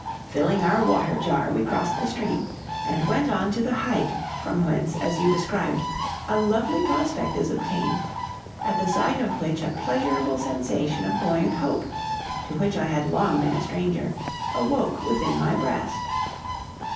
"Filling our water jar, we crossed the stream, and went on to the height, from whence, as you described, a lovely prospect is obtained, at the sight of which a pleasurable sensation of buoyant hope, to which I had long been a stranger, awoke within my breast.